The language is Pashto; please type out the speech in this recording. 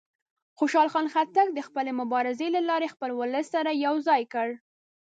خوشحال خان خټک د خپلې مبارزې له لارې خپل ولس سره یو ځای کړ.